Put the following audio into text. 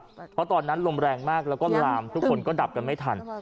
เพราะตอนนั้นลมแรงมากแล้วก็ลามทุกคนก็ดับกันไม่ทัน